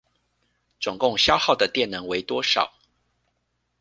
總共消耗的電能為多少？